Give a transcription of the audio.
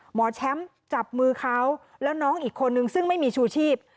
หมอแชมป์จับมือเขาแล้วน้องอีกคนนึงซึ่งไม่มีชูชีพ